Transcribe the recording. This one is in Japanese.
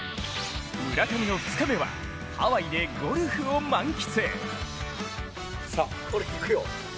村上の２日目は、ハワイでゴルフを満喫。